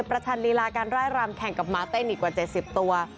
ประธานิลาการไร้รำแข่งกับมาต้นอีกกว่า๗๐ตัว